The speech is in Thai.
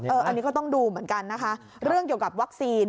อันนี้ก็ต้องดูเหมือนกันนะคะเรื่องเกี่ยวกับวัคซีน